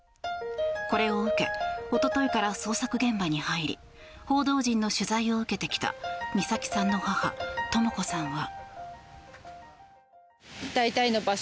これを受け一昨日から捜索現場に入り報道陣の取材を受けてきた美咲さんの母とも子さんは。